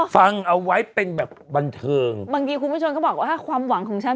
ฟังเอาไว้เป็นแบบบันเทิงบางทีคุณผู้ชมก็บอกว่าความหวังของฉัน